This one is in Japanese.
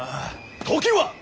時は！